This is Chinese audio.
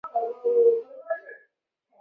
他的父亲和祖父都是职业自行车车手。